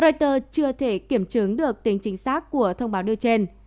reuters chưa thể kiểm chứng được tính chính xác của thông báo đưa trên